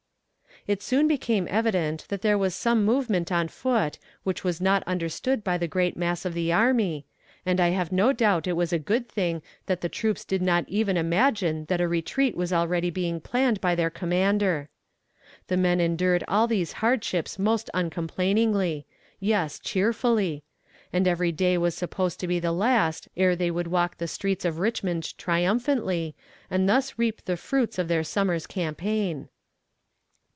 It soon became evident that there was some movement on foot which was not understood by the great mass of the army, and I have no doubt it was a good thing that the troops did not even imagine that a retreat was already being planned by their commander. The men endured all these hardships most uncomplainingly; yes, cheerfully; and every day was supposed to be the last ere they would walk the streets of Richmond triumphantly, and thus reap the fruits of their summer's campaign.